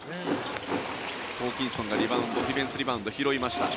ホーキンソンがディフェンスリバウンド取りました。